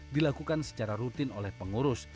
dilakukan secara rutin oleh pengurus